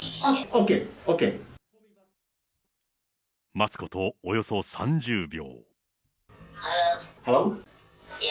待つことおよそ３０秒。